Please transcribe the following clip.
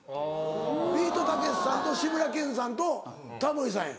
ビートたけしさんと志村けんさんとタモリさんや。